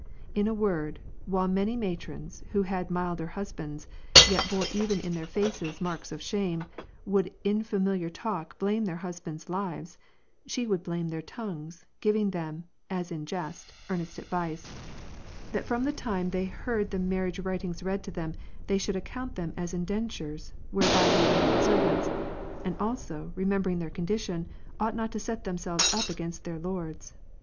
In a word, while many matrons, who had milder husbands, yet bore even in their faces marks of shame, would in familiar talk blame their husbands' lives, she would blame their tongues, giving them, as in jest, earnest advice ;" That from the time they heard the marriage writ ings read to them, they should account them as indentures, whereby they were made servants; and so, remembering their condition, ought not to set themselves up against their lords."